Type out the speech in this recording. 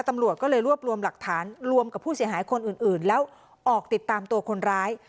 ตำรวจก็เลยรวบรวมหลักฐานรวมกับผู้เสียหายคนอื่นแล้วออกติดตามตัวคนร้าย